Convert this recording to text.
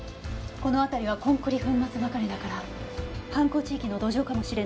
この辺りはコンクリ粉末ばかりだから犯行地域の土壌かもしれないわね。